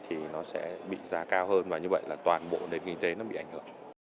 thì nó sẽ bị giá cao hơn và như vậy là toàn bộ nền kinh tế nó bị ảnh hưởng